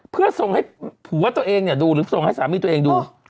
เพื่อส่งให้ผัวตัวเองเนี่ยดูหรือส่งให้สามีตัวเองดู